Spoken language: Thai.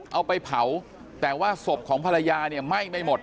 เอาไปเผาแต่ว่าศพของภรรยาเนี่ยไหม้ไม่หมด